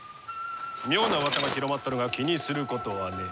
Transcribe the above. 妙なうわさが広まっとるが気にすることはねえ。